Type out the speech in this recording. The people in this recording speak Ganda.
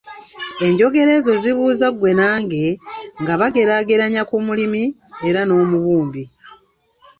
Enjogera ezo zibuuza ggwe nange, nga bageraageranya ku mulimi era n'omubumbi.